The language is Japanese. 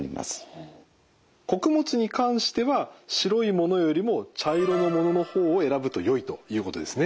穀物に関しては白いものよりも茶色のものの方を選ぶとよいということですね。